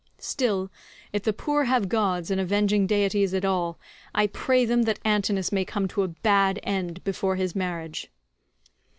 Still, if the poor have gods and avenging deities at all, I pray them that Antinous may come to a bad end before his marriage."